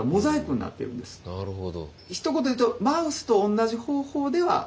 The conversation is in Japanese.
なるほど。